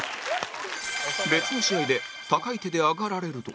別の試合で高い手でアガられると